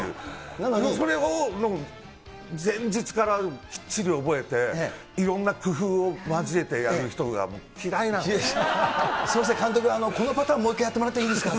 それを、前日からきっちり覚えて、いろんな工夫を交えてやる人が僕、すみません、監督、このパターン、もう一回、やってもらっていいですか？